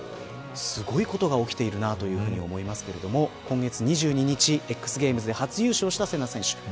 すごいことが起きていると思いますが今月２２日Ｘゲームズで初優勝したせな選手。